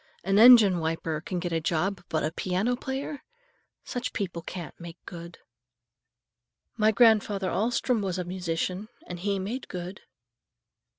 An engine wiper can get a job, but a piano player! Such people can't make good." "My grandfather Alstrom was a musician, and he made good."